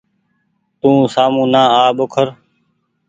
تو سآمو نآ آ ٻوکر۔